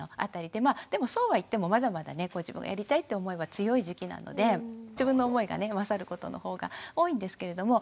でもそうは言ってもまだまだね自分がやりたいって思いは強い時期なので自分の思いが勝ることの方が多いんですけれども。